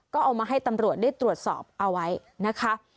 ก็เอามาให้ตำรวจได้ตรวจสอบเอาไว้นะคะ